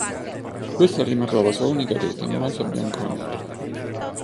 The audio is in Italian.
Questa rimarrà la sua unica rete in maglia bianconera.